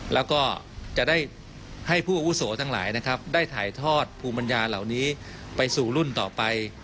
แล้วก็จะได้ให้ผู้อาวุโสทั้งหลายนะครับได้ถ่ายทอดภูมิปัญญาเหล่านี้ไปสู่รุ่นต่อไป